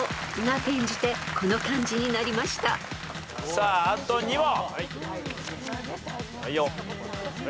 さああと２問。